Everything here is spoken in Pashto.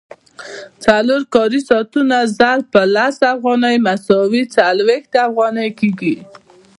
څلور کاري ساعتونه ضرب په لس افغانۍ مساوي څلوېښت افغانۍ کېږي